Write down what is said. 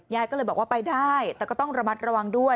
ยายก็เลยบอกว่าไปได้แต่ก็ต้องระมัดระวังด้วย